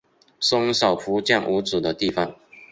伸手不见五指的地方